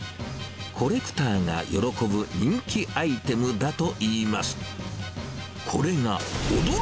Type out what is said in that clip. コレクターが喜ぶ人気アイテムだといいます。